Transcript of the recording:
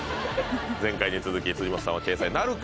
前回に続き辻元さんは掲載なるか？